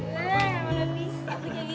kamu punya uang gak beli ini